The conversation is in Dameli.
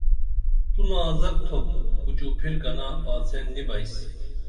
تو نازک تُھوپ پُچُو پِھرکنہ آڅین نی بئیس